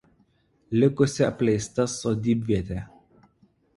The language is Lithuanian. Likusi apleista sodybvietė.